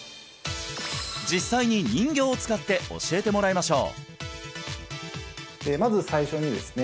実際に人形を使って教えてもらいましょうまず最初にですね